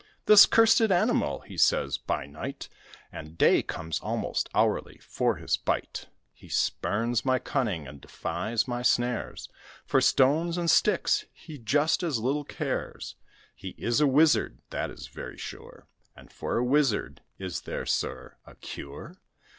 "This cursed animal," he says, "by night And day comes almost hourly for his bite; He spurns my cunning, and defies my snares, For stones and sticks he just as little cares; He is a wizard, that is very sure, And for a wizard is there, sir, a cure?"